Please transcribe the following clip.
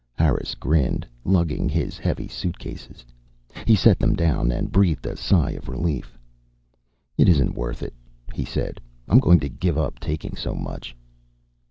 Harris grinned, lugging his heavy suitcases. He set them down and breathed a sigh of relief. "It isn't worth it," he said. "I'm going to give up taking so much."